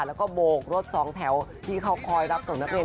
แล้วก็โบกรถสองแถวที่เขาคอยรับส่งนักเรียน